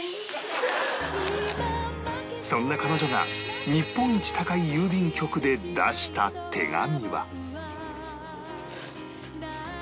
そんな彼女が日本一高い郵便局で出した手紙は？